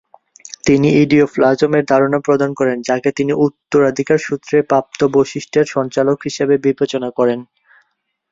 তিনি "ইডিওপ্লাজম"-এর ধারণা প্রদান করেন, যাকে তিনি উত্তরাধিকারসূত্রে প্রাপ্ত বৈশিষ্ট্যের সঞ্চালক হিসেবে বিবেচনা করেন।